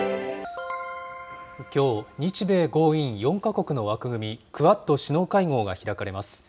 きょう、日米豪印４か国の枠組み、クアッド首脳会合が開かれます。